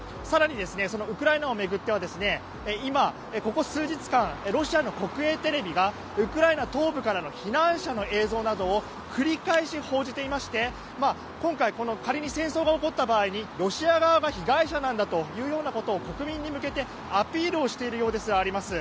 更にウクライナを巡っては今、ここ数日間ロシアの国営テレビがウクライナ東部からの避難者の映像などを繰り返し報じていまして今回、仮に戦争が起こった場合にロシア側が被害者なんだというようなことを国民に向けてアピールをしているようです。